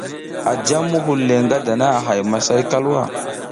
A jam muhul le ngada a hay masay kalwa.